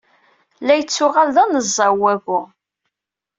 La yettuɣal d aneẓẓaw wagu.